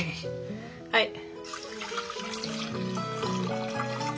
はい。